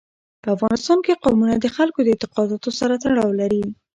په افغانستان کې قومونه د خلکو د اعتقاداتو سره تړاو لري.